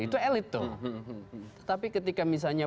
itu elite tuh tapi ketika misalnya